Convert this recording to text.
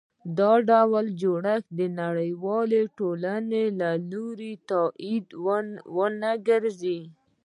دا ډول جوړښت د نړیوالې ټولنې له لوري تایید ونه ګرځي.